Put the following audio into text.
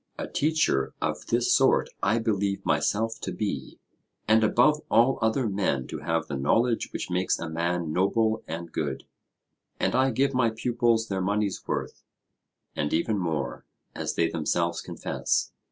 A teacher of this sort I believe myself to be, and above all other men to have the knowledge which makes a man noble and good; and I give my pupils their money's worth, and even more, as they themselves confess.